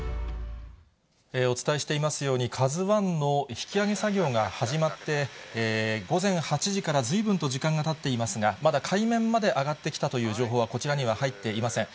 お伝えしていますように、ＫＡＺＵＩの引き揚げ作業が始まって、午前８時からずいぶんと時間がたっていますが、まだ海面まで上がってきたという情報はこちらには入っていません。